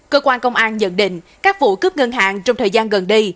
cơ quan công an nhận định các vụ cướp ngân hàng trong thời gian gần đây